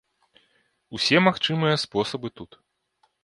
Усе магчымыя спосабы тут!